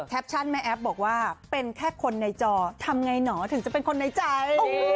แม่แอฟบอกว่าเป็นแค่คนในจอทำไงหนอถึงจะเป็นคนในใจ